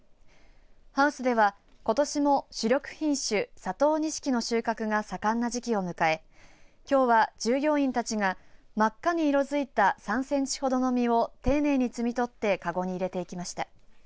ハウスでは、ことしも主力品種佐藤錦の収穫が盛んな時期を迎えきょうは従業員たちが真っ赤に色づいた３センチほどの実を丁寧に摘み取ってかごに入れていきました。